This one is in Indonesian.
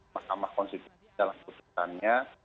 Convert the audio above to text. mahkamah konstitusi dalam putusannya